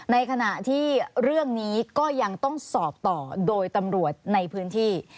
ในขณะที่เรื่องนี้ก็ยังต้องสอบต่อโดยตำรวจในพื้นที่